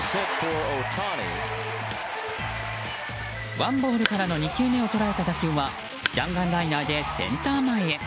ワンボールからの２球目を捉えた打球は弾丸ライナーでセンター前へ。